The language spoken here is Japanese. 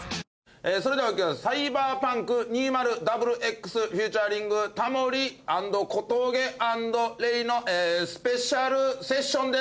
それでは『サイバーパンク２０ＸＸ』フィーチャリングタモリ＆小峠＆Ｒｅｉのスペシャルセッションです。